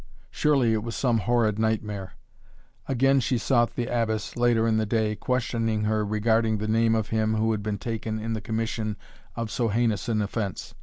Surely it was some horrid nightmare. Again she sought the Abbess, later in the day, questioning her regarding the name of him who had been taken in the commission of so heinous an offence.